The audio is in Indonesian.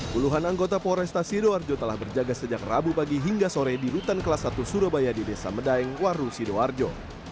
puluhan anggota poresta sidoarjo telah berjaga sejak rabu pagi hingga sore di rutan kelas satu surabaya di desa medaeng waru sidoarjo